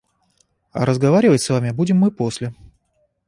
– А разговаривать с вами будем мы после.